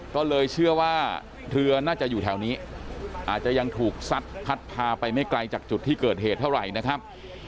ก็เลยเชื่อว่าเรือน่าจะอยู่แถวนี้อาจจะยังถูกซัดพัดพาไปไม่ไกลจากจุดที่เกิดเหตุเท่าไหร่นะครับ